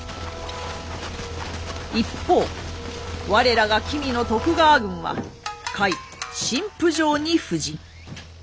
一方我らが君の徳川軍は甲斐・新府城に布陣。